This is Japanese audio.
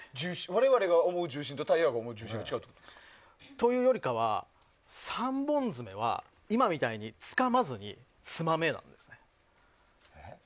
我々が思う重心とタイヤ王が思う重心がというよりかは、３本爪は今みたいにつかまずにつまめなんですね。